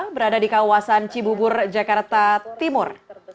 berada di kawasan cibubur jakarta timur